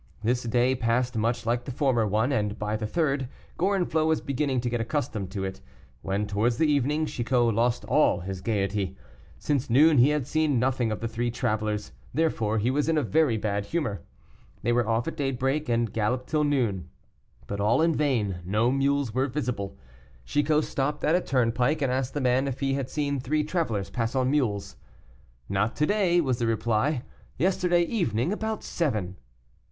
This day passed much like the former one, and by the third, Gorenflot was beginning to get accustomed to it, when towards the evening, Chicot lost all his gaiety. Since noon he had seen nothing of the three travelers; therefore he was in a very bad humor. They were off at daybreak and galloped till noon, but all in vain; no mules were visible. Chicot stopped at a turnpike, and asked the man if he had seen three travelers pass on mules. "Not to day," was the reply, "yesterday evening about seven."